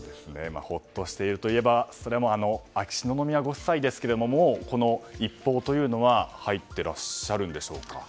ほっとしているといえば秋篠宮ご夫妻ですがこの一報というのは入っていらっしゃるんでしょうか。